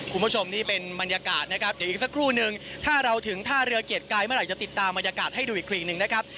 คุณผู้ชมนี่เป็นบรรยากาศนะครับเดี๋ยวอีกสักครู่นึงถ้าเราถึงท่าเรือเกียรติกายเมื่อไหร่จะติดตามบรรยากาศให้ดูอีกทีหนึ่งนะครับ